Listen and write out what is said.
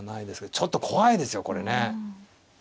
ちょっと怖いですよこれね。